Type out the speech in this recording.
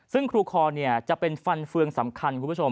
ซึ่งครูขอจะเป็นฟันเฟืองสำคัญ